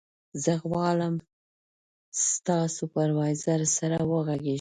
زه غواړم ستا سوپروایزر سره وغږېږم.